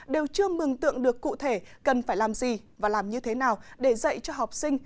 đều chưa mừng tượng được cụ thể cần phải làm gì và làm như thế nào để dạy cho học sinh